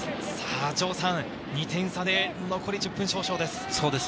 城さん、２点差で残り１０分少々です。